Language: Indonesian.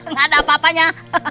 nggak ada apa apanya